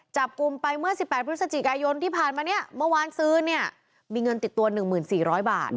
จับกลุ่มไปเมื่อ๑๘พฤศจิกายนที่ผ่านมาเนี่ยเมื่อวานซื้อเนี่ยมีเงินติดตัว๑๔๐๐บาท